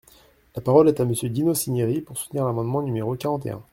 La parole est à Monsieur Dino Cinieri, pour soutenir l’amendement numéro quarante et un.